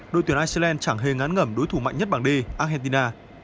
đội tuyển iceland chẳng hề ngán ngẩm đối thủ mạnh nhất bảng d argentina